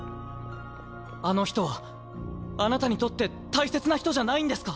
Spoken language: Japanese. あの人はあなたにとって大切な人じゃないんですか？